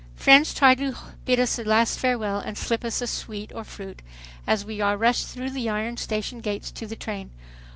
Friends try to bid us a last farewell and slip us a sweet or fruit, as we are rushed through the iron station gates to the train.